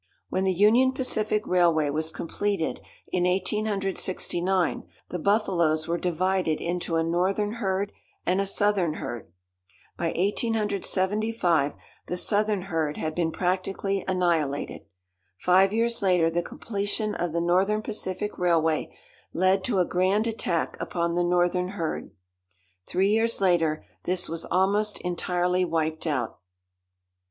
When the Union Pacific railway was completed in 1869, the buffaloes were divided into a northern herd and a southern herd. By 1875 the southern herd had been practically annihilated. Five years later the completion of the Northern Pacific railway led to a grand attack upon the northern herd. Three years later this was almost entirely wiped out.